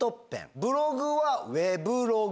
ブログはウェブログ。